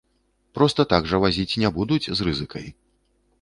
Проста так жа вазіць не будуць з рызыкай.